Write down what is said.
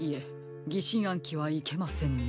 ぎしんあんきはいけませんね。